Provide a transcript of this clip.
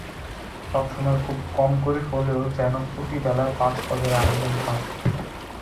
সবসময় খুব কম করে হলেও যেন প্রতি বেলা পাঁচ পদের আয়োজন হয়।